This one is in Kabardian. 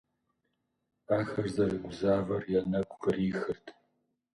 Ахэр зэрыгузавэр я нэгу кърихырт.